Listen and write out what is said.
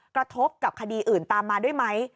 กระทบกับคดีอื่นตามมาด้วยไหม